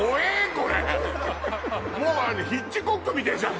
これもうヒッチコックみてえじゃん